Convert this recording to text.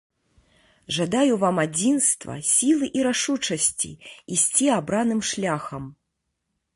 Жадаю вам адзінства, сілы і рашучасці ісці абраным шляхам.